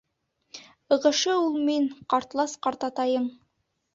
Ығышы ул мин, ҡартлас ҡартатайың.